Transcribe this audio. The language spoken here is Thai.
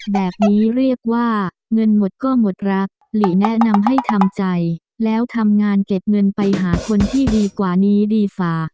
แบบนี้เรียกว่าเงินหมดก็หมดรักหลีแนะนำให้ทำใจแล้วทำงานเก็บเงินไปหาคนที่ดีกว่านี้ดีฝ่า